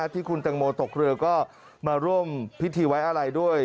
ที่คุณตังโมตกเรือก็มาร่วมพิธีไว้อะไรด้วย